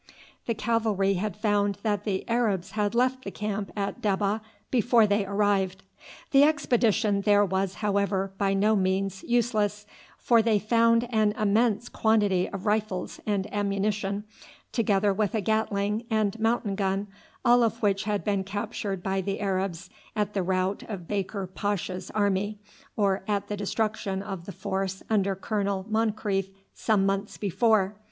The cavalry had found that the Arabs had left the camp at Debbah before they arrived. The expedition there was, however, by no means useless, for they found an immense quantity of rifles and ammunition, together with a Gatling and mountain gun, all of which had been captured by the Arabs at the rout of Baker Pasha's army, or at the destruction of the force under Colonel Moncrieff some months before.